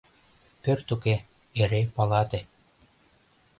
Пӧрт уке, эре палате